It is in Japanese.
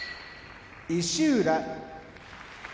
石浦